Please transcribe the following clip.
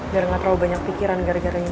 biar gak terlalu banyak pikiran gara gara ini